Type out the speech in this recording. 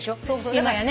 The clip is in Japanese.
今やね。